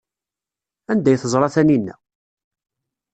Anda ay teẓra Taninna?